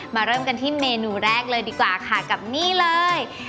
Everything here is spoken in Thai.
เริ่มกันที่เมนูแรกเลยดีกว่าค่ะกับนี่เลย